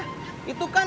tolong dirikan aja aman